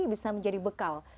bisa menjadi bekal